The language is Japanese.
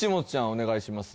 お願いします